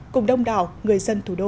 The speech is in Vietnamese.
cùng đông đảo người dân thủ đô